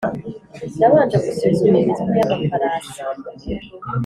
nabanje gusuzuma imitwe y'amafarasi